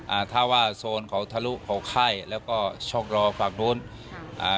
อ่าถ้าว่าโซนเขาทะลุเขาไข้แล้วก็ช่องรอฝั่งนู้นอ่า